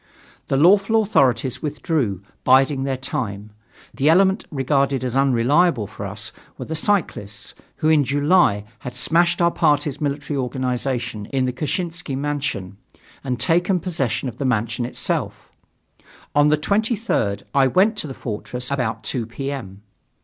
The lawful authorities withdrew, biding their time. The element regarded as unreliable for us were the cyclists, who in July had smashed our party's military organization in the Kshessinsky mansion and taken possession of the mansion itself. On the 23rd, I went to the Fortress about 2 P. M.